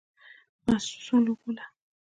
مسوول وبولو.